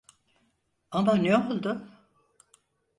Ama ne oldu?